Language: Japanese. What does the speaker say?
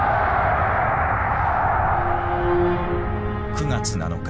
９月７日。